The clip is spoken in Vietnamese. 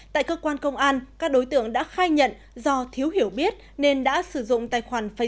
tại cơ quan công an các đối tượng đã khai nhận do thiếu hiểu biết nên đã sử dụng tài khoản facebook